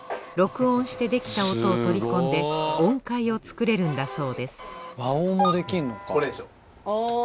録音してできた音を取り込んで音階を作れるんだそうですこれでしょう。